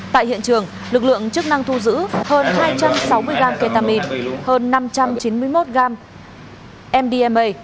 tại hiện trường lực lượng chức năng thu giữ hơn hai trăm sáu mươi gram ketamine hơn năm trăm chín mươi một gram mdma